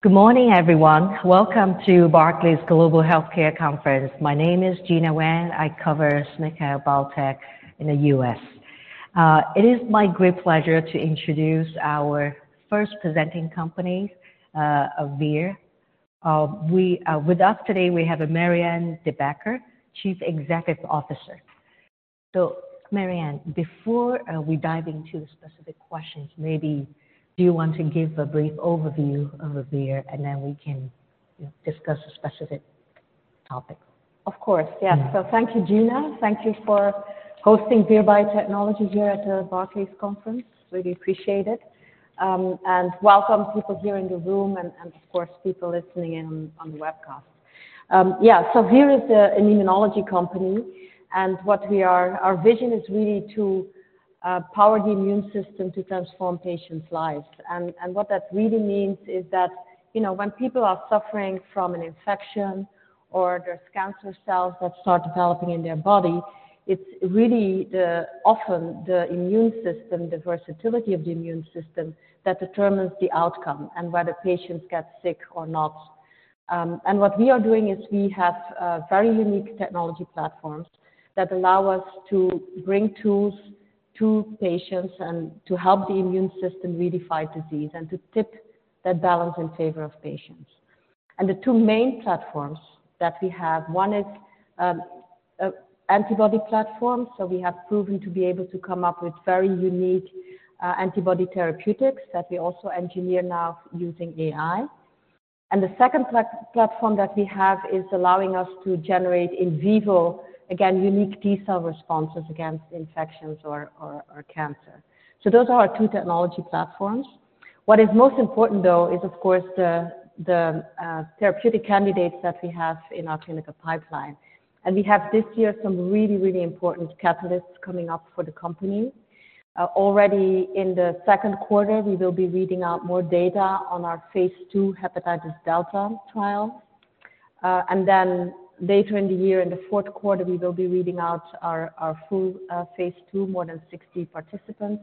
Good morning, everyone. Welcome to Barclays Global Healthcare Conference. My name is Gena Wang. I cover SNCC Biotech in the U.S. It is my great pleasure to introduce our first presenting company, Vir Bio. With us today we have Marianne De Backer, Chief Executive Officer. So, Marianne, before we dive into the specific questions, maybe do you want to give a brief overview of Vir and then we can, you know, discuss the specific topics? Of course. Yes. So thank you, Gena. Thank you for hosting Vir Biotechnology here at the Barclays Conference. Really appreciate it. And welcome people here in the room and, of course, people listening in on the webcast. Yeah. So Vir is an immunology company. And what we are, our vision is really to power the immune system to transform patients' lives. And what that really means is that, you know, when people are suffering from an infection or there's cancer cells that start developing in their body, it's really often the immune system, the versatility of the immune system, that determines the outcome and whether patients get sick or not. What we are doing is we have very unique technology platforms that allow us to bring tools to patients and to help the immune system really fight disease and to tip that balance in favor of patients. The two main platforms that we have, one is antibody platforms. So we have proven to be able to come up with very unique antibody therapeutics that we also engineer now using AI. And the second platform that we have is allowing us to generate in vivo, again, unique T-cell responses against infections or cancer. So those are our two technology platforms. What is most important, though, is of course the therapeutic candidates that we have in our clinical pipeline. And we have this year some really, really important catalysts coming up for the company. Already in the second quarter we will be reading out more data on our phase 2 hepatitis delta trial. And then later in the year, in the fourth quarter, we will be reading out our, our full, phase 2, more than 60 participants.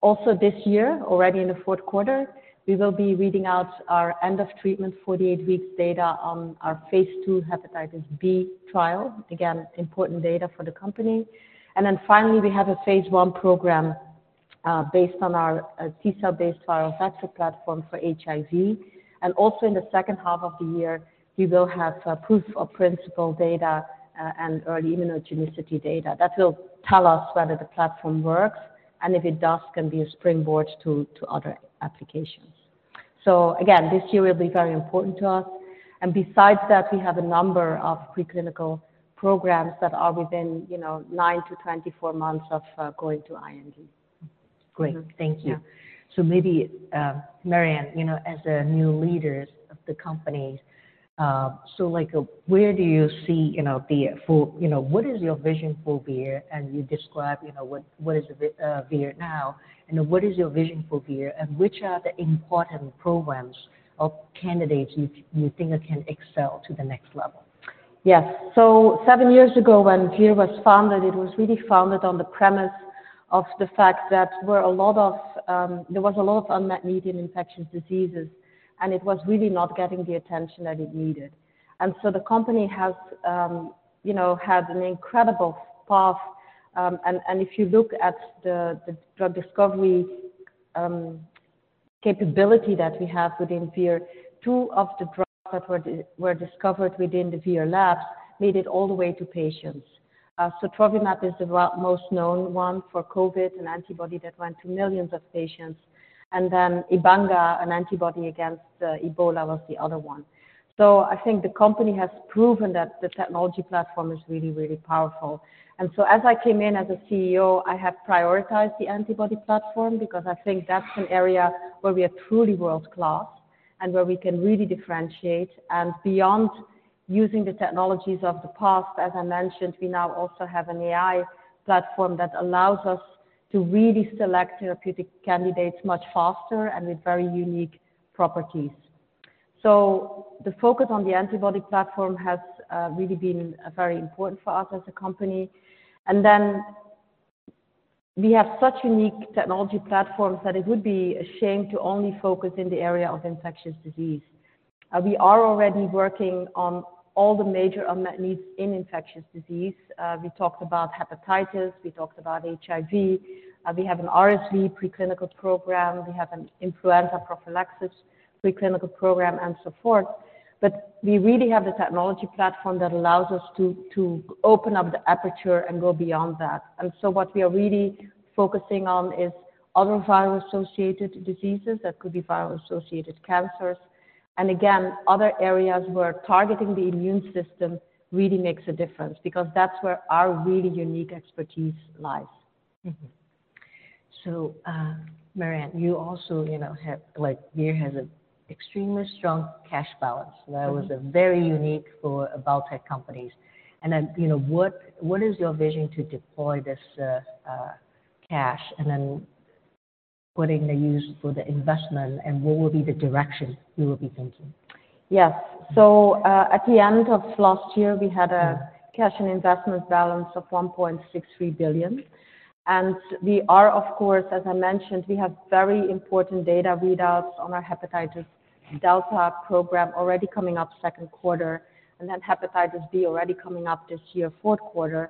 Also this year, already in the fourth quarter, we will be reading out our end-of-treatment, 48-week data on our phase 2 hepatitis B trial. Again, important data for the company. And then finally we have a phase 1 program, based on our, T-cell-based viral vector platform for HIV. And also in the second half of the year we will have, proof of principle data, and early immunogenicity data that will tell us whether the platform works. And if it does, can be a springboard to, to other applications. So again, this year will be very important to us. Besides that, we have a number of preclinical programs that are within, you know, 9-24 months of going to IND. Great. Thank you. So maybe, Marianne, you know, as a new leader of the company, so like, where do you see, you know, the full, you know, what is your vision for Vir? And you described, you know, what, what is Vir, Vir now. You know, what is your vision for Vir? And which are the important programs or candidates you, you think can excel to the next level? Yes. So seven years ago when Vir was founded, it was really founded on the premise of the fact that there were a lot of, there was a lot of unmet need in infectious diseases. And it was really not getting the attention that it needed. And so the company has, you know, had an incredible path. And if you look at the drug discovery capability that we have within Vir, two of the drugs that were discovered within the Vir labs made it all the way to patients. So sotrovimab is the most known one for COVID, an antibody that went to millions of patients. And then Inmazeb, an antibody against Ebola, was the other one. So I think the company has proven that the technology platform is really, really powerful. So as I came in as a CEO, I have prioritized the antibody platform because I think that's an area where we are truly world-class and where we can really differentiate. And beyond using the technologies of the past, as I mentioned, we now also have an AI platform that allows us to really select therapeutic candidates much faster and with very unique properties. So the focus on the antibody platform has really been very important for us as a company. And then we have such unique technology platforms that it would be a shame to only focus in the area of infectious disease. We are already working on all the major unmet needs in infectious disease. We talked about hepatitis. We talked about HIV. We have an RSV preclinical program. We have an influenza prophylaxis preclinical program and so forth. But we really have the technology platform that allows us to open up the aperture and go beyond that. So what we are really focusing on is other viral-associated diseases. That could be viral-associated cancers. And again, other areas where targeting the immune system really makes a difference because that's where our really unique expertise lies. So, Marianne, you also, you know, have like, Vir has an extremely strong cash balance. That was very unique for biotech companies. And then, you know, what, what is your vision to deploy this cash and then putting the use for the investment? And what will be the direction you will be thinking? Yes. So, at the end of last year we had a cash and investments balance of $1.63 billion. We are, of course, as I mentioned, we have very important data readouts on our hepatitis delta program already coming up second quarter. And then hepatitis B already coming up this year fourth quarter.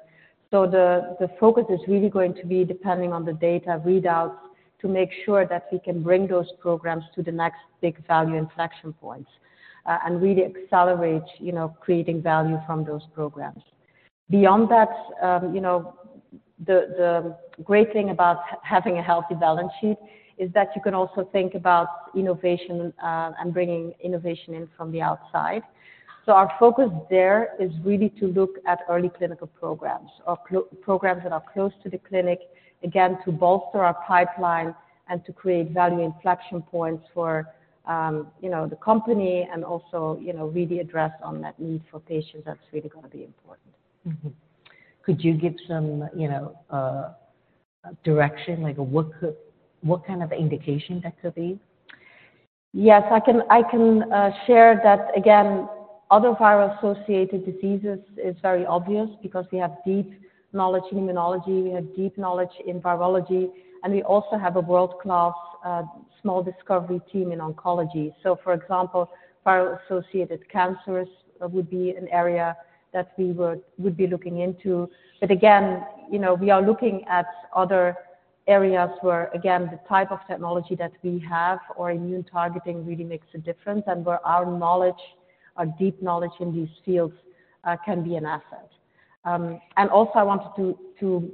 So the focus is really going to be depending on the data readouts to make sure that we can bring those programs to the next big value inflection points, and really accelerate, you know, creating value from those programs. Beyond that, you know, the great thing about having a healthy balance sheet is that you can also think about innovation, and bringing innovation in from the outside. Our focus there is really to look at early clinical programs or CLO programs that are close to the clinic, again, to bolster our pipeline and to create value inflection points for, you know, the company and also, you know, really address unmet need for patients. That's really gonna be important. Could you give some, you know, direction, like what kind of indication that could be? Yes. I can, I can, share that again. Other viral-associated diseases is very obvious because we have deep knowledge in immunology. We have deep knowledge in virology. And we also have a world-class, small discovery team in oncology. So for example, viral-associated cancers would be an area that we would, would be looking into. But again, you know, we are looking at other areas where, again, the type of technology that we have or immune targeting really makes a difference and where our knowledge, our deep knowledge in these fields, can be an asset. And also I wanted to, to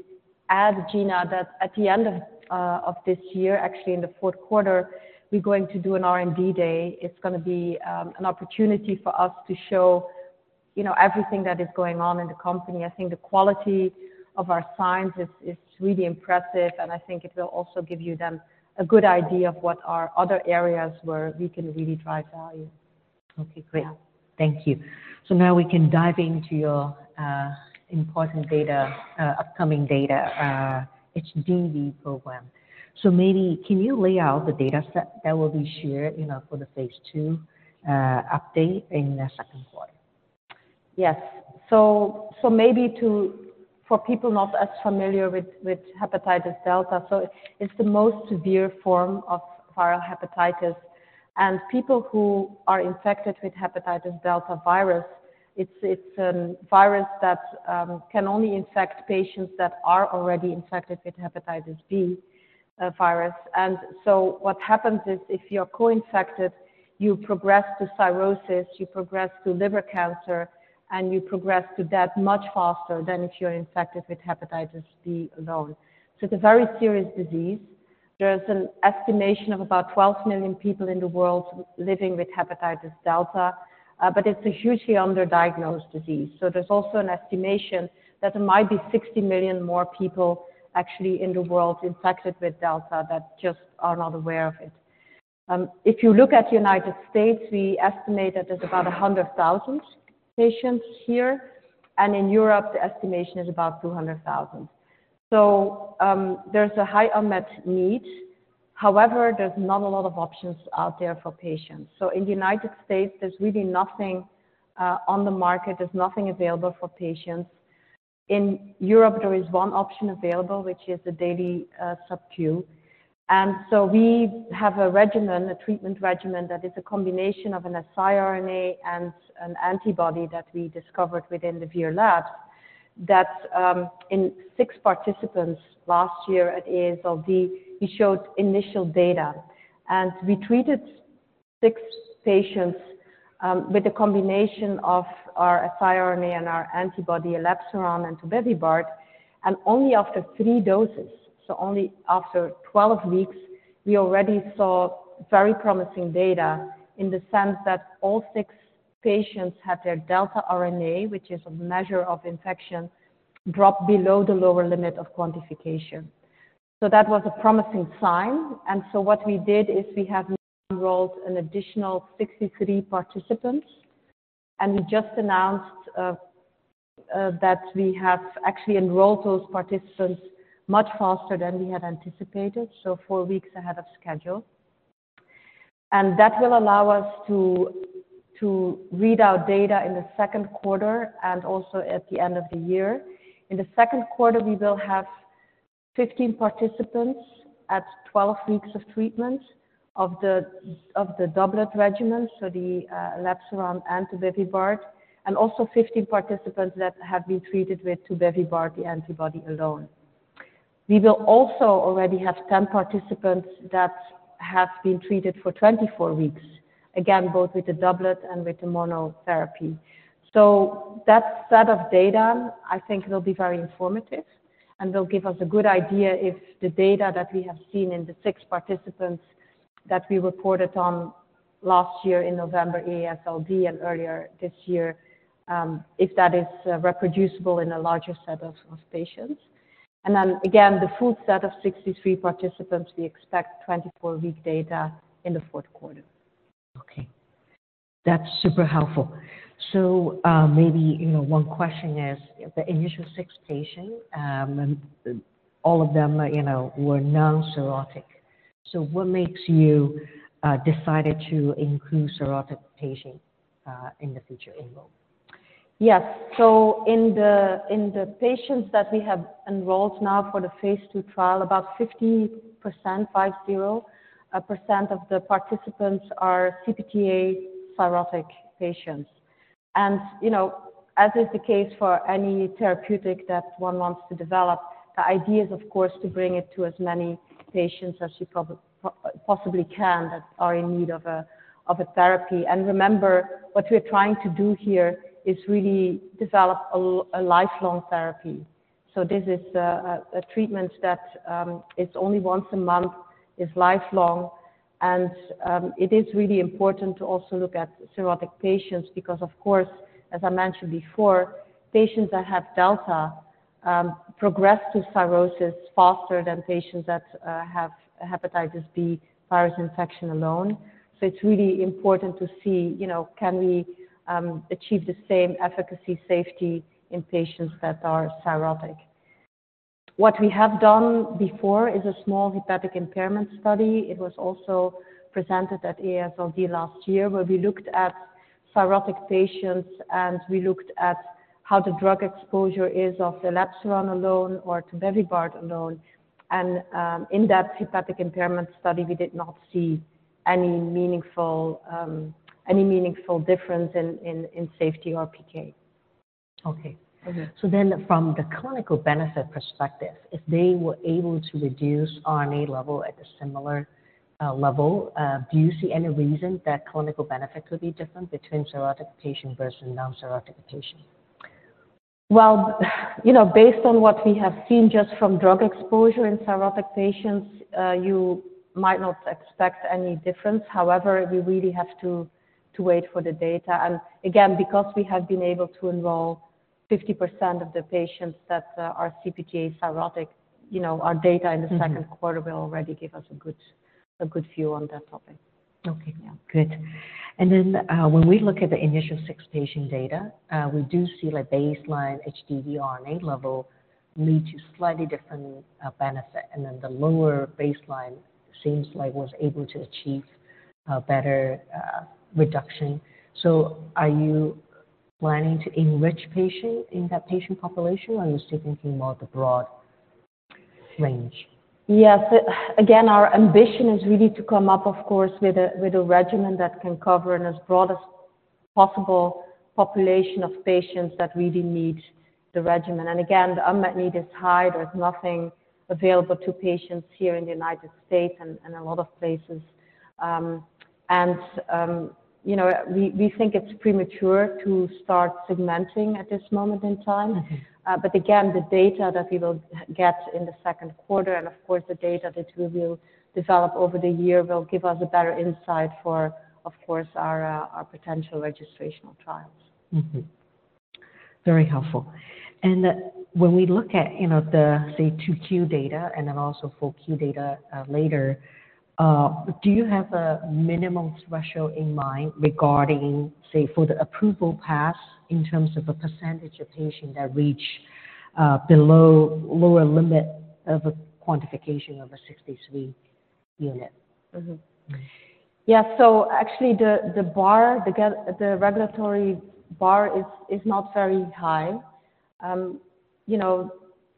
add, Gena, that at the end of, of this year, actually in the fourth quarter, we're going to do an R&D Day. It's gonna be an opportunity for us to show, you know, everything that is going on in the company. I think the quality of our science is really impressive. I think it will also give you then a good idea of what our other areas where we can really drive value. Okay. Great. Thank you. So now we can dive into your important data, upcoming data, HDV program. So maybe can you lay out the data set that will be shared, you know, for the phase 2 update in the second quarter? Yes. So maybe for people not as familiar with hepatitis delta, so it's the most severe form of viral hepatitis. And people who are infected with hepatitis delta virus, it's a virus that can only infect patients that are already infected with hepatitis B virus. And so what happens is if you're co-infected, you progress to cirrhosis, you progress to liver cancer, and you progress to death much faster than if you're infected with hepatitis B alone. So it's a very serious disease. There's an estimation of about 12 million people in the world living with hepatitis delta. But it's a hugely underdiagnosed disease. So there's also an estimation that there might be 60 million more people actually in the world infected with delta that just are not aware of it. If you look at the United States, we estimate that there's about 100,000 patients here. In Europe the estimation is about 200,000. There's a high unmet need. However, there's not a lot of options out there for patients. In the United States there's really nothing, on the market. There's nothing available for patients. In Europe there is one option available which is a daily, subcu. We have a regimen, a treatment regimen that is a combination of an siRNA and an antibody that we discovered within the Vir labs that, in six participants last year at AASLD, we showed initial data. We treated six patients, with a combination of our siRNA and our antibody elebsiran and tobevibart. Only after three doses, so only after 12 weeks, we already saw very promising data in the sense that all six patients had their HDV RNA, which is a measure of infection, drop below the lower limit of quantification. So that was a promising sign. And so what we did is we have enrolled an additional 63 participants. And we just announced that we have actually enrolled those participants much faster than we had anticipated, so 4 weeks ahead of schedule. And that will allow us to read out data in the second quarter and also at the end of the year. In the second quarter we will have 15 participants at 12 weeks of treatment of the doublet regimen, so the elebsiran and tobevibart. And also 15 participants that have been treated with tobevibart, the antibody alone. We will also already have 10 participants that have been treated for 24 weeks, again, both with the doublet and with the monotherapy. So that set of data I think will be very informative and will give us a good idea if the data that we have seen in the six participants that we reported on last year in November, AASLD, and earlier this year, if that is reproducible in a larger set of patients. And then again, the full set of 63 participants, we expect 24-week data in the fourth quarter. Okay. That's super helpful. So, maybe, you know, one question is the initial six patients, and all of them, you know, were non-cirrhotic. So what makes you decided to include cirrhotic patients in the future enrollment? Yes. So in the patients that we have enrolled now for the phase 2 trial, about 50%, 50% of the participants are CPT-A cirrhotic patients. And, you know, as is the case for any therapeutic that one wants to develop, the idea is of course to bring it to as many patients as you probably possibly can that are in need of a therapy. And remember what we're trying to do here is really develop a lifelong therapy. So this is a treatment that is only once a month, is lifelong. And it is really important to also look at cirrhotic patients because, of course, as I mentioned before, patients that have delta progress to cirrhosis faster than patients that have hepatitis B virus infection alone. So it's really important to see, you know, can we achieve the same efficacy, safety in patients that are cirrhotic. What we have done before is a small hepatic impairment study. It was also presented at AASLD last year where we looked at cirrhotic patients and we looked at how the drug exposure is of elebsiran alone or tobevibart alone. And, in that hepatic impairment study we did not see any meaningful difference in safety or PK. Okay. So then from the clinical benefit perspective, if they were able to reduce RNA level at a similar level, do you see any reason that clinical benefit could be different between cirrhotic patient versus non-cirrhotic patient? Well, you know, based on what we have seen just from drug exposure in cirrhotic patients, you might not expect any difference. However, we really have to wait for the data. And again, because we have been able to enroll 50% of the patients that are CPT-A cirrhotic, you know, our data in the second quarter will already give us a good view on that topic. Okay. Good. And then, when we look at the initial 6 patient data, we do see like baseline HDV RNA level lead to slightly different benefit. And then the lower baseline seems like was able to achieve better reduction. So are you planning to enrich patient in that patient population or are you still thinking more of the broad range? Yes. Again, our ambition is really to come up, of course, with a regimen that can cover an as broad as possible population of patients that really need the regimen. And again, the unmet need is high. There's nothing available to patients here in the United States and a lot of places. And, you know, we think it's premature to start segmenting at this moment in time. But again, the data that we will get in the second quarter and of course the data that we will develop over the year will give us a better insight for, of course, our potential registration of trials. Mm-hmm. Very helpful. And, when we look at, you know, the, say, 2Q data and then also 4Q data later, do you have a minimum threshold in mind regarding, say, for the approval pass in terms of a percentage of patient that reach below lower limit of quantification of HDV unit? Mm-hmm. Yes. So actually the regulatory bar is not very high. You know,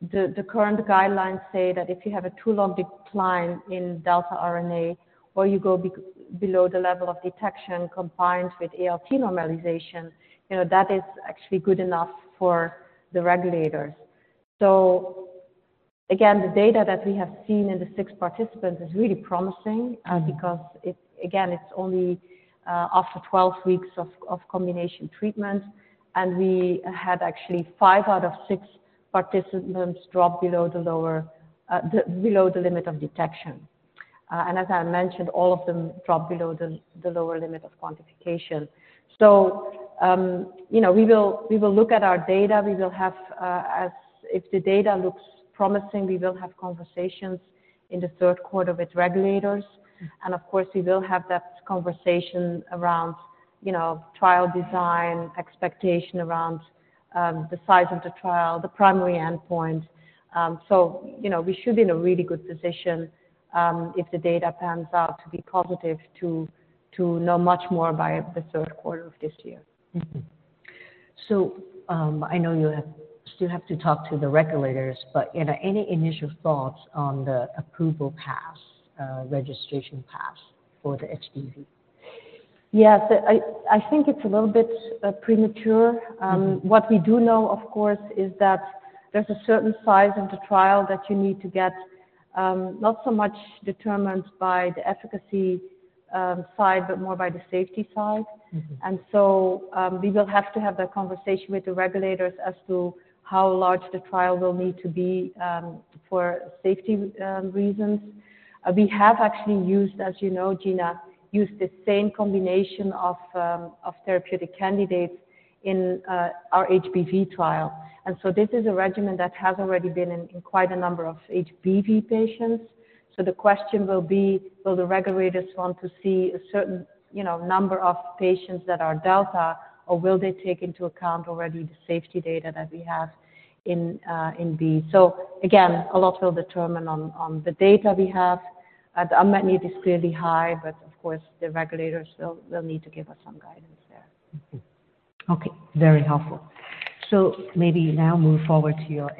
the current guidelines say that if you have a two-log decline in delta RNA or you go below the level of detection combined with ALT normalization, you know, that is actually good enough for the regulators. So again, the data that we have seen in the 6 participants is really promising, because again, it's only after 12 weeks of combination treatment. And we had actually 5 out of 6 participants drop below the limit of detection. And as I mentioned, all of them drop below the lower limit of quantification. So, you know, we will look at our data. We will have, if the data looks promising, we will have conversations in the third quarter with regulators. Of course we will have that conversation around, you know, trial design, expectation around, the size of the trial, the primary endpoint. So, you know, we should be in a really good position, if the data pans out to be positive to know much more by the third quarter of this year. So, I know you still have to talk to the regulators, but, you know, any initial thoughts on the approval path, registration path for the HDV? Yes. I think it's a little bit premature. What we do know, of course, is that there's a certain size of the trial that you need to get, not so much determined by the efficacy side but more by the safety side. So, we will have to have that conversation with the regulators as to how large the trial will need to be, for safety reasons. We have actually used, as you know, Gena, the same combination of therapeutic candidates in our HBV trial. And so this is a regimen that has already been in quite a number of HBV patients. So the question will be, will the regulators want to see a certain, you know, number of patients that are Delta or will they take into account already the safety data that we have in B? So again, a lot will determine on the data we have. The unmet need is clearly high but of course the regulators will need to give us some guidance there. Okay. Very helpful. So maybe now move forward to your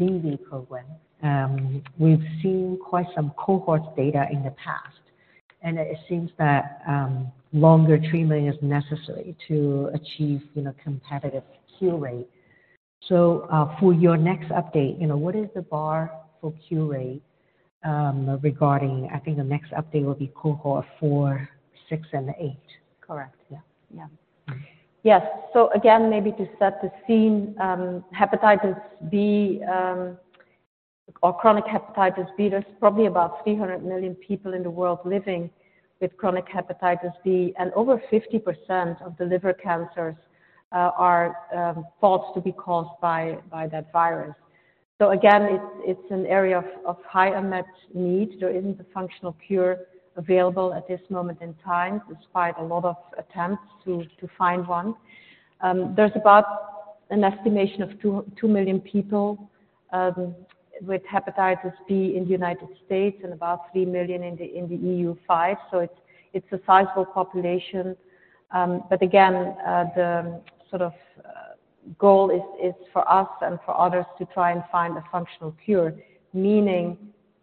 HBV program. We've seen quite some cohort data in the past. And it seems that longer treatment is necessary to achieve, you know, competitive cure rate. So, for your next update, you know, what is the bar for cure rate, regarding I think the next update will be cohort 4, 6, and 8? Correct. Yeah. Yeah. Yes. So again, maybe to set the scene, hepatitis B, or chronic hepatitis B, there's probably about 300 million people in the world living with chronic hepatitis B. And over 50% of the liver cancers are thought to be caused by that virus. So again, it's an area of high unmet need. There isn't a functional cure available at this moment in time despite a lot of attempts to find one. There's about an estimation of 2 million people with hepatitis B in the United States and about 3 million in the EU5. So it's a sizable population. But again, the sort of goal is for us and for others to try and find a functional cure. Meaning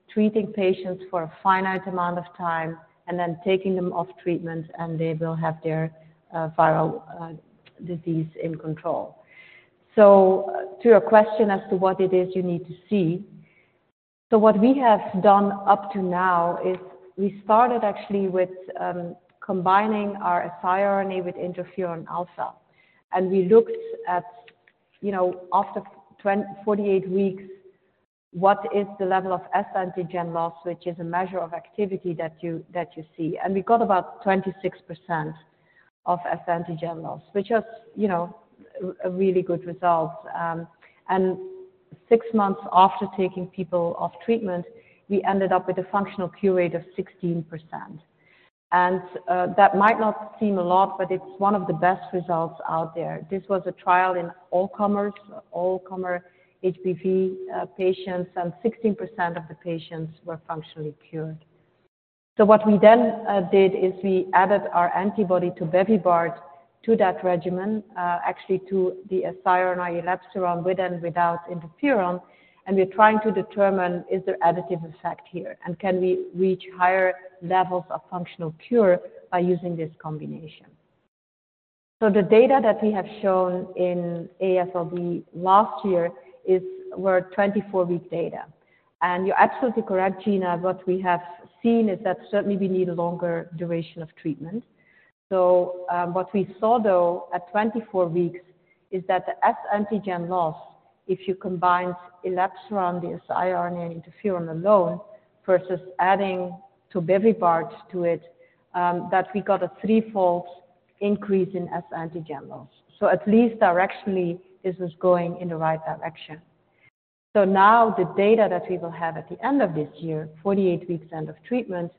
treating patients for a finite amount of time and then taking them off treatment and they will have their viral disease in control. So, to your question as to what it is you need to see, so what we have done up to now is we started actually with combining our siRNA with interferon alpha. And we looked at, you know, after 24 weeks, what is the level of HBsAg loss which is a measure of activity that you see. And we got about 26% of HBsAg loss which was, you know, a really good result. Six months after taking people off treatment, we ended up with a functional cure rate of 16%. That might not seem a lot but it's one of the best results out there. This was a trial in all-comers, all-comer HBV patients and 16% of the patients were functionally cured. So what we then did is we added our antibody tobevibart to that regimen, actually to the siRNA elebsiran with and without interferon. And we're trying to determine, is there additive effect here? And can we reach higher levels of functional cure by using this combination? So the data that we have shown in AASLD last year were 24-week data. And you're absolutely correct, Gena, what we have seen is that certainly we need a longer duration of treatment. So what we saw though at 24 weeks is that the HBsAg loss, if you combine elebsiran, the siRNA, and interferon alone versus adding tobevibart to it, that we got a threefold increase in HBsAg loss. So at least directionally this was going in the right direction. So now the data that we will have at the end of this year, 48 weeks end of treatment,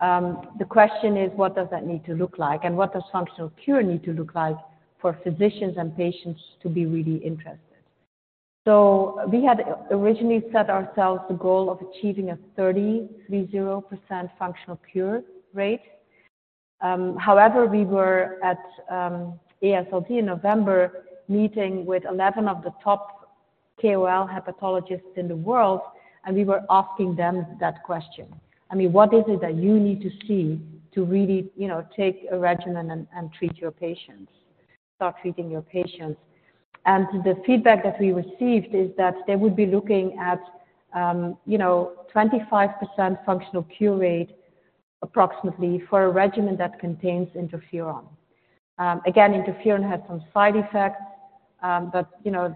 the question is what does that need to look like? And what does functional cure need to look like for physicians and patients to be really interested? So we had originally set ourselves the goal of achieving a 30%-30% functional cure rate. However, we were at AASLD in November meeting with 11 of the top KOL hepatologists in the world and we were asking them that question. I mean, what is it that you need to see to really, you know, take a regimen and, and treat your patients, start treating your patients? And the feedback that we received is that they would be looking at, you know, 25% functional cure rate approximately for a regimen that contains interferon. Again, interferon has some side effects, but, you know,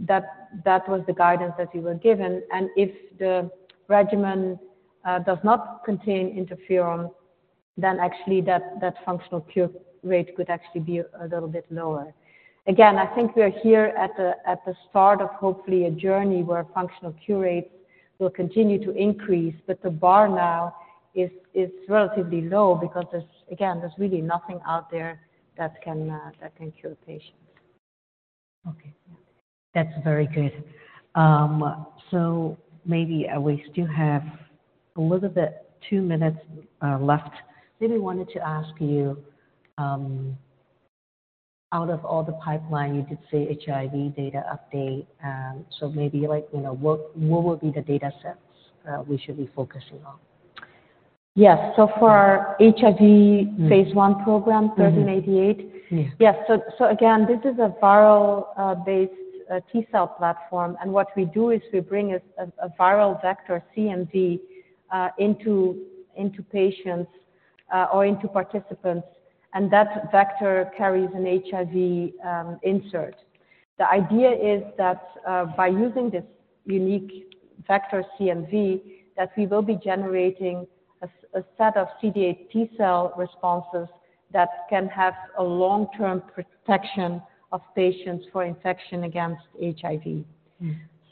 that was the guidance that we were given. And if the regimen does not contain interferon, then actually that functional cure rate could actually be a little bit lower. Again, I think we are here at the start of hopefully a journey where functional cure rates will continue to increase, but the bar now is relatively low because there's again, there's really nothing out there that can cure patients. Okay. That's very good. So maybe we still have a little bit, two minutes left. Maybe I wanted to ask you, out of all the pipeline you did say HIV data update, so maybe like, you know, what, what would be the data sets we should be focusing on? Yes. So for our HIV phase 1 program, VIR-1388. Yeah. Yes. So again, this is a viral-based T cell platform. And what we do is we bring a viral vector, CMV, into patients or into participants. And that vector carries an HIV insert. The idea is that, by using this unique vector, CMV, that we will be generating a set of CD8 T cell responses that can have long-term protection of patients for infection against HIV.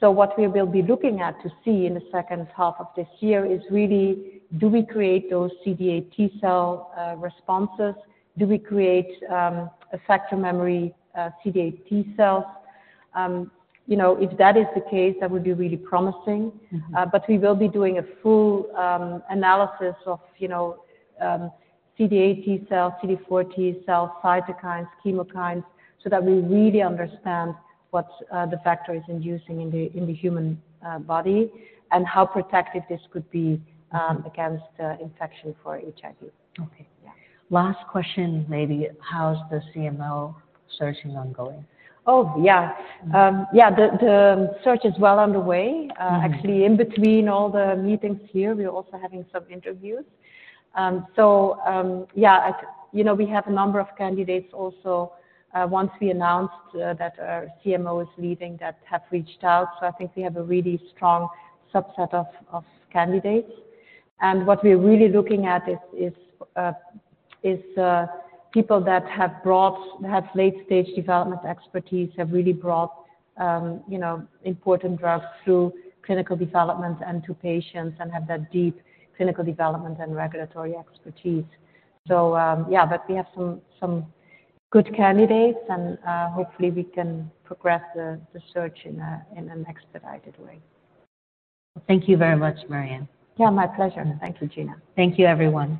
What we will be looking at to see in the second half of this year is really do we create those CD8 T cell responses? Do we create effector memory CD8 T cells? You know, if that is the case, that would be really promising. but we will be doing a full analysis of, you know, CD8 T cell, CD4 T cell, cytokines, chemokines so that we really understand what the factor is inducing in the human body and how protective this could be against infection for HIV. Okay. Yeah. Last question maybe. How's the CMO search going? Oh, yeah. Yeah. The search is well underway. Actually in between all the meetings here we're also having some interviews. So, yeah, you know, we have a number of candidates also once we announced that our CMO is leaving that have reached out. So I think we have a really strong subset of candidates. And what we're really looking at is people that have late-stage development expertise, have really brought, you know, important drugs through clinical development and to patients and have that deep clinical development and regulatory expertise. So, yeah, but we have some good candidates and hopefully we can progress the search in an expedited way. Thank you very much, Marianne. Yeah. My pleasure. Thank you, Gena. Thank you, everyone.